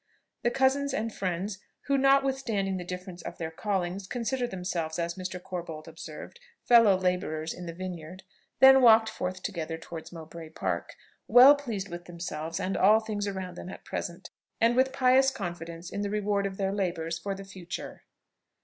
The cousins and friends (who, notwithstanding the difference of their callings, considered themselves, as Mr. Corbold observed, fellow labourers in the vineyard,) then walked forth together towards Mowbray Park, well pleased with themselves and all things around them at the present, and with pious confidence in the reward of their labours for the future.